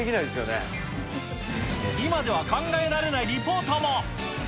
今では考えられないリポートも。